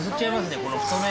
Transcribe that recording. この太麺。